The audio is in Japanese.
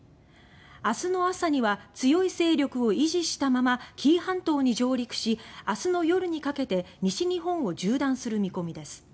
明日の朝には強い勢力を維持したまま紀伊半島に上陸し明日の夜にかけて西日本を縦断する見込みです。